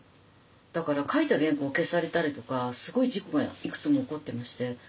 だから書いた原稿を消されたりとかすごい事故がいくつも起こってまして。